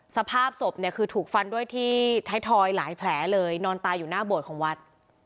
สภาพศพเนี่ยคือถูกฟันด้วยที่ไทยทอยหลายแผลเลยนอนตายอยู่หน้าโบสถของวัด